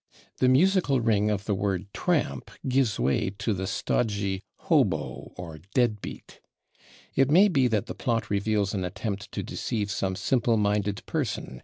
The musical ring of the word /tramp/ gives way to the stodgy /hobo/ or /dead beat/. It may be that the plot reveals an attempt to deceive some simple minded person.